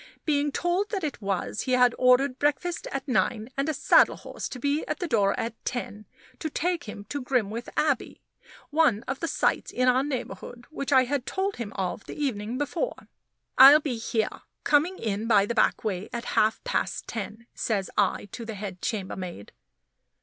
Being told that it was, he had ordered breakfast at nine, and a saddle horse to be at the door at ten, to take him to Grimwith Abbey one of the sights in our neighborhood which I had told him of the evening before. "I'll be here, coming in by the back way, at half past ten," says I to the head chambermaid.